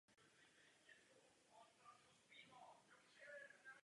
Hraje také za reprezentaci Paraguaye.